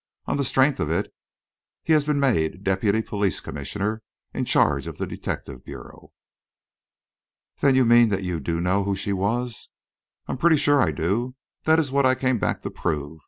On the strength of it, he has been made deputy police commissioner, in charge of the detective bureau." "Then you mean that you do know who she was?" "I'm pretty sure I do that is what I came back to prove.